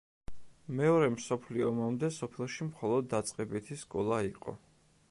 მეორე მსოფლიო ომამდე სოფელში მხოლოდ დაწყებითი სკოლა იყო.